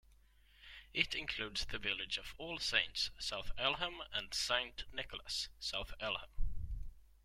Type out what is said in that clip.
It includes the villages of All Saints, South Elmham and Saint Nicholas, South Elmham.